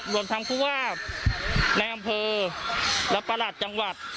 รวมทั้งผู้ว่าในอำเภอและประหลัดจังหวัด